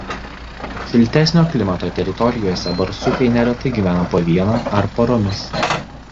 Šiltesnio klimato teritorijose barsukai neretai gyvena po vieną ar poromis.